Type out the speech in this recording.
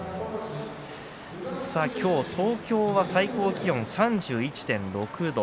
今日、東京は最高気温３１．６度。